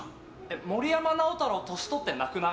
森山直太朗年とってなくない？